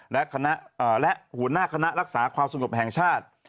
และหัวหน้าคณะรักษาความสงบแห่งชาติ